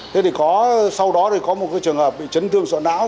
thế thì có sau đó thì có một cái trường hợp bị chấn thương sọ não